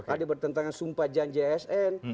ada bertentangan sumpah janji asn